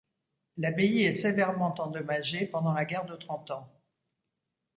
L'abbaye est sévèrement endommagée pendant la Guerre de Trente Ans.